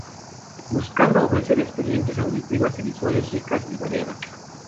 Buscando ofrecer experiencias auditivas y visuales ricas y variadas.